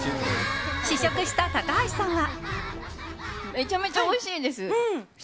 試食した高橋さんは。